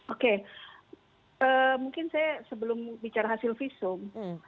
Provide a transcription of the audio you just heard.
oke mungkin saya sebelum bicara hasil visum